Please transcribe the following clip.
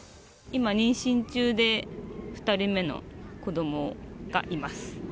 今、妊娠中で２人目の子どもがいます。